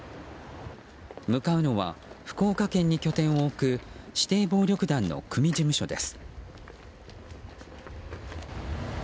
向かうのは福岡県に拠点を置く指定暴力団の組事務所です。